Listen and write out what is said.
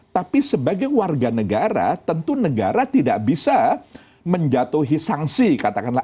tapi sebagai warga negara tentu negara tidak bisa menjatuhi sanksi katakanlah